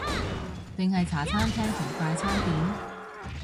定係茶餐廳同快餐店？